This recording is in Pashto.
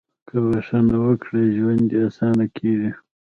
• که بښنه وکړې، ژوند دې اسانه کېږي.